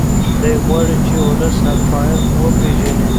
دی غواړي چې ولس حقایق وپیژني.